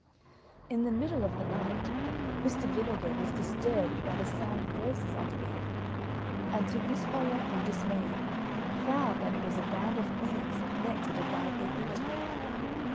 In the middle of the night Mr. Vinegar was disturbed by the sound of voices underneath, and to his horror and dismay found that it was a band of thieves met to divide their booty.